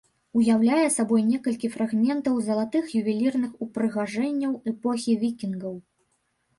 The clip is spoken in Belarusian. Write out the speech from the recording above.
Уяўляе сабой некалькі фрагментаў залатых ювелірных упрыгажэнняў эпохі вікінгаў.